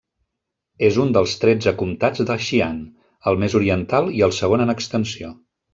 És un dels tretze comtats de Xi'an, el més oriental i el segon en extensió.